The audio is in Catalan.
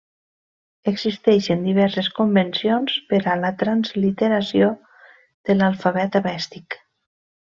Existeixen diverses convencions per a la transliteració de l'alfabet avèstic.